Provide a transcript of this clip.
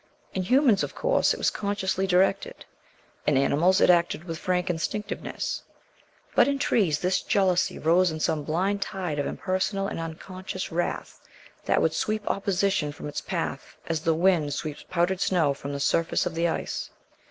In humans, of course, it was consciously directed; in animals it acted with frank instinctiveness; but in trees this jealousy rose in some blind tide of impersonal and unconscious wrath that would sweep opposition from its path as the wind sweeps powdered snow from the surface of the ice.